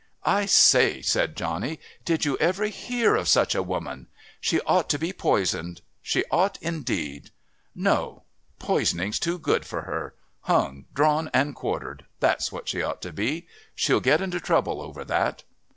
"I say!" said Johnny. "Did you ever hear of such a woman! She ought to be poisoned. She ought indeed. No, poisoning's too good for her. Hung, drawn and quartered. That's what she ought to be. She'll get into trouble over that."